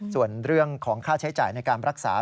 ส่วนเรื่องของค่าใช้จ่ายในการรักษา